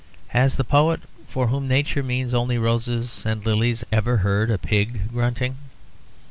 Has the poet, for whom Nature means only roses and lilies, ever heard a pig grunting?